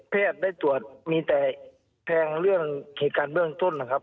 แพทย์ได้ตรวจมีแต่แพงเหตุการณ์เบื้องต้นนะครับ